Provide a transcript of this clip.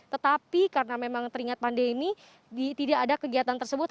tetapi karena memang teringat pandemi tidak ada kegiatan tersebut